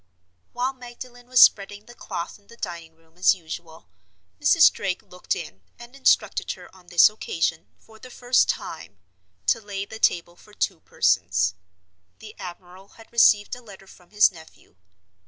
While Magdalen was spreading the cloth in the dining room, as usual, Mrs. Drake looked in, and instructed her on this occasion, for the first time, to lay the table for two persons. The admiral had received a letter from his nephew.